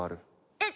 えっ？